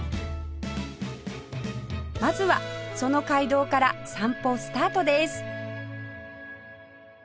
まずはその街道から散歩スタートです